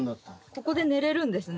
ここで寝れるんですね・